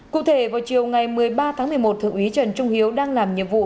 cụ thể vào chiều ngày một mươi ba tháng một mươi một thượng úy trần trung hiếu đang làm nhiệm vụ